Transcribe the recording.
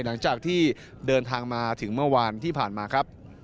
หลังจากที่เดินทางมาถึงเมื่อวานที่ผ่านมาครับ